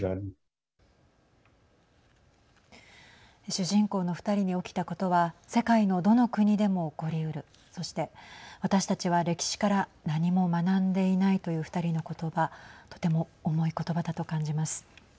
主人公の２人に起きたことは世界のどの国でも起こりうるそして、私たちは歴史から何も学んでいないという２人のことばとても重いことばだと感じます。